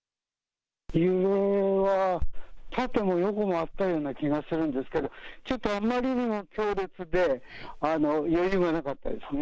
揺れは縦も横もあったような気がするんですけど、ちょっとあまりにも強烈で、余裕がなかったですね。